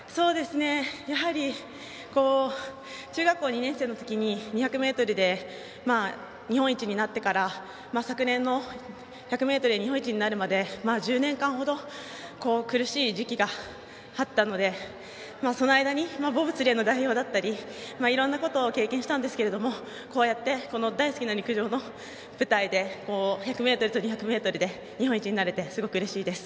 やはり中学校２年生の時に２００ｍで日本一になってから、昨年の１００ｍで日本一になるまで１０年間程苦しい時期があったのでその間にボブスレーの代表だったりいろんなことを経験したんですけどこうやって大好きな陸上の舞台で１００ｍと２００ｍで日本一になれてすごくうれしいです。